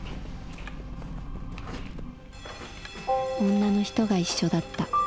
「女の人が一緒だった。